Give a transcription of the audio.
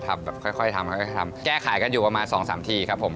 แบบค่อยทำค่อยทำแก้ไขกันอยู่ประมาณ๒๓ทีครับผม